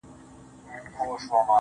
دا ځمکه ګرځي که اسمان ګرځي